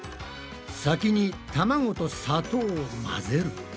先にたまごと砂糖を混ぜる。